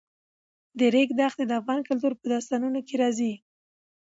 د ریګ دښتې د افغان کلتور په داستانونو کې راځي.